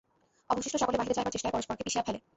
অবশিষ্ট সকলে বাহিরে যাইবার চেষ্টায় পরস্পরকে পিষিয়া ফেলে।